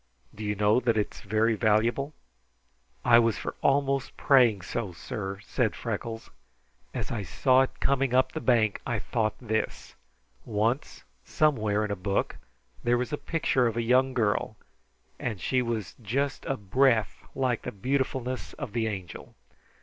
"Do you know that it is very valuable?" "I was for almost praying so, sir," said Freckles. "As I saw it coming up the bank I thought this: Once somewhere in a book there was a picture of a young girl, and she was just a breath like the beautifulness of the Angel.